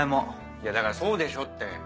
いやだからそうでしょって。